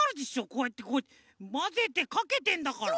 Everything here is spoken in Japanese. こうやってまぜてかけてんだから。